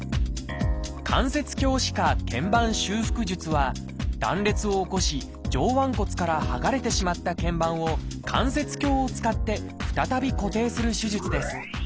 「関節鏡視下腱板修復術」は断裂を起こし上腕骨から剥がれてしまった腱板を関節鏡を使って再び固定する手術です。